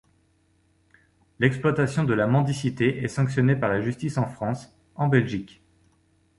L'exploitation de la mendicité est sanctionnée par la justice en France, en Belgique.